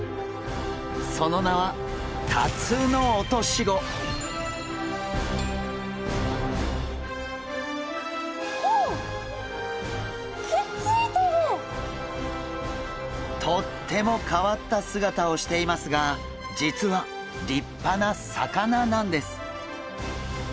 その名はとっても変わった姿をしていますが実は立派な魚なんです。